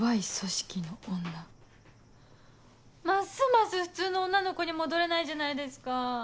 ますます普通の女の子に戻れないじゃないですか。